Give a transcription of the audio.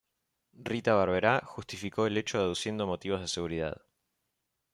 Rita Barberá justificó el hecho aduciendo motivos de seguridad.